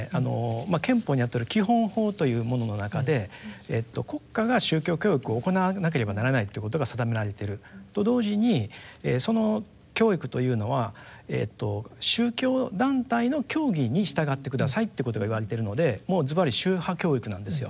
憲法にあたる基本法というものの中で国家が宗教教育を行わなければならないっていうことが定められてると同時にその教育というのは宗教団体の教義に従って下さいっていうことが言われているのでもうずばり宗派教育なんですよ。